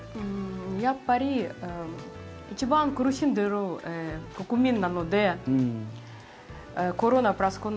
やっぱり一番苦しんでいる国民なので、コロナプラス